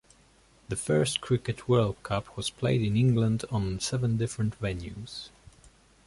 The first Cricket World Cup was played in England on seven different venues.